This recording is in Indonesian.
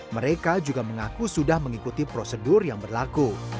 mereka juga mengaku sudah mengikuti prosedur yang berlaku